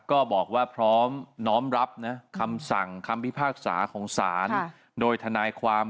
ก็บอกว่าพร้อมน้อมรับนะคำสั่งคำพิพากษาของศาลโดยทนายความ